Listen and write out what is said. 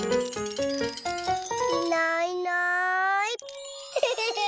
いないいない。